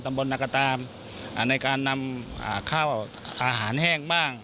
ตำบลนากตามอ่าในการนำอ่าข้าวอาหารแห้งบ้าง